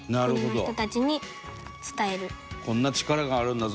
伊達：こんな力があるんだぞ。